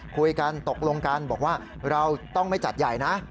คุยกันตกลงกันบอกว่าเราต้องไม่จัดใหญ่นะ